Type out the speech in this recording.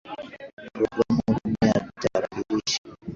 Programa hutumia tarakilishi.